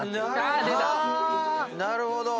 あなるほど！